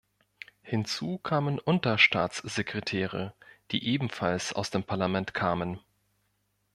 Hinzu kamen Unterstaatssekretäre, die ebenfalls aus dem Parlament kamen.